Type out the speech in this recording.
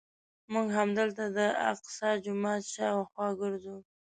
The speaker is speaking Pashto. موږ همدلته د الاقصی جومات شاوخوا ګرځو.